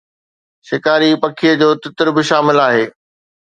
شڪاري پکيءَ جو تتر به شامل آهي